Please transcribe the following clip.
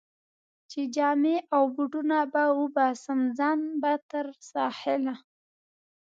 چې جامې او بوټونه به وباسم، ځان به تر ساحله.